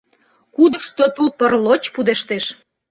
Кудышто тул прлоч пудештеш.